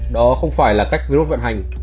đó không phải là cách virus vận hành